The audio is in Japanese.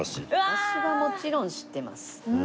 私はもちろん知ってます。